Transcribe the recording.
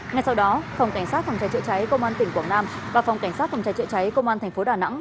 ngay sau đó phòng cảnh sát phòng cháy chữa cháy công an tỉnh quảng nam và phòng cảnh sát phòng cháy chữa cháy công an thành phố đà nẵng